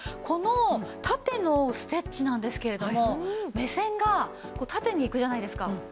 この縦のステッチなんですけれども目線が縦にいくじゃないですか。